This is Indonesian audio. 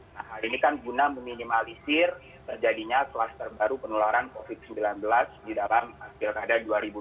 nah hal ini kan guna meminimalisir terjadinya kluster baru penularan covid sembilan belas di dalam pilkada dua ribu dua puluh